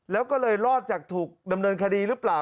แล้วก็เลยรอดจากถูกดำเนินคดีหรือเปล่า